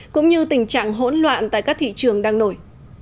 cũng như tình trạng hỗn loạn tại các thị trường đang nổi